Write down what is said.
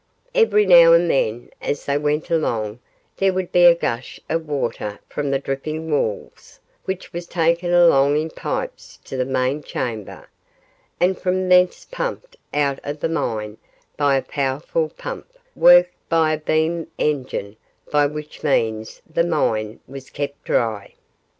Every now and then as they went along there would be a gush of water from the dripping walls, which was taken along in pipes to the main chamber, and from thence pumped out of the mine by a powerful pump, worked by a beam engine, by which means the mine was kept dry.